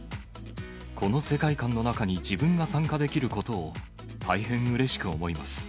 この世界観の中に自分が参加できることを大変うれしく思います。